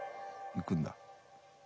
いくんだ。